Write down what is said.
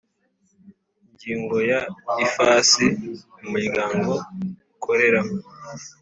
Ingingo ya ifasi umuryango ukoreramo